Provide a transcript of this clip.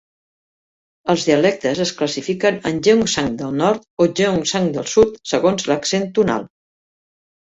Els dialectes es classifiquen en Gyeongsang del nord o Gyeongsang del sud segons l'accent tonal.